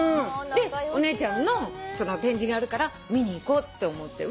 でお姉ちゃんの展示があるから見に行こうって思って。